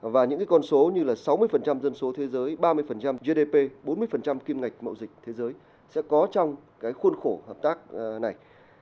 và những con số như là sáu mươi dân số thế giới ba mươi gdp bốn mươi kim ngạch mậu dịch thế giới sẽ có trong cái khuôn khổ hợp tác này